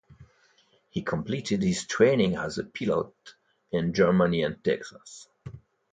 He completed his training as a pilot in Germany and Texas.